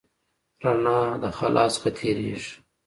رڼا د خلا څخه تېرېږي.